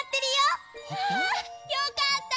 あよかった！